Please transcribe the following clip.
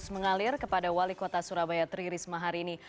mengalir kepada wali kota surabaya tri risma hari ini